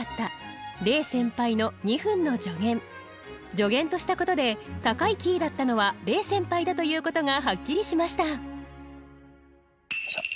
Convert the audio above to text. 「助言」としたことで高いキーだったのは黎先輩だということがはっきりしました。